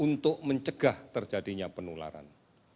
untuk mencegah terjadinya penularan